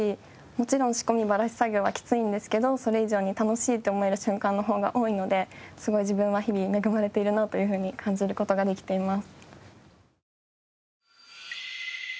もちろん仕込みバラし作業はきついんですけどそれ以上に楽しいって思える瞬間の方が多いのですごい自分は日々恵まれているなというふうに感じる事ができています。